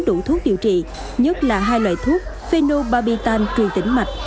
đủ thuốc điều trị nhất là hai loại thuốc phenobabitan truyền tỉnh mạch